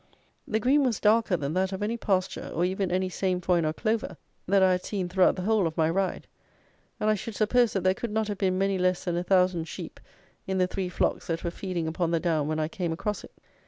The green was darker than that of any pasture or even any sainfoin or clover that I had seen throughout the whole of my ride; and I should suppose that there could not have been many less than a thousand sheep in the three flocks that were feeding upon the down when I came across it.